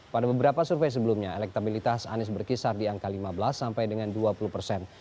pada beberapa survei sebelumnya elektabilitas anies berkisar di angka lima belas sampai dengan dua puluh persen